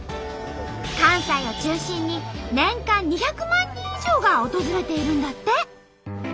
関西を中心に年間２００万人以上が訪れているんだって。